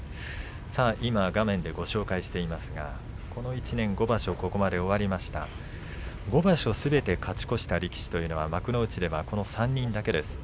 今画面でご紹介していますがこの１年、５場所５場所すべて勝ち越した力士というのは幕内では、この３人だけです。